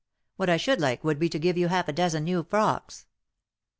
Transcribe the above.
What I should like would be to give you half a dozen new frocks."